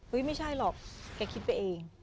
ไม่ใช่หรอกแกคิดไปเอง